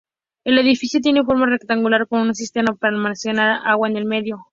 El edificio tiene forma rectangular con una cisterna para almacenar agua en el medio.